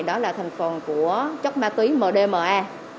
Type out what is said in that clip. đó là thành phần của chất ma túy mdma